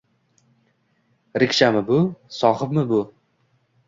Rikshami bu, sohibmi bu